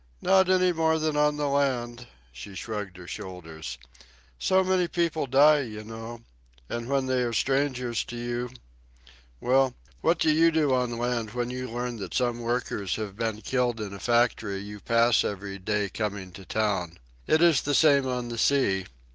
"Not any more than on the land." She shrugged her shoulders. "So many people die, you know. And when they are strangers to you ... well, what do you do on the land when you learn that some workers have been killed in a factory you pass every day coming to town? It is the same on the sea."